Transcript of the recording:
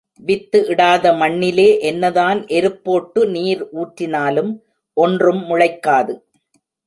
With இடாத மண்ணிலே என்னதான் எருப்போட்டு, நீர் ஊற்றினாலும் ஒன்றும் முளைக்காது.